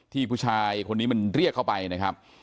ผู้ชายคนนี้มันเรียกเข้าไปนะครับ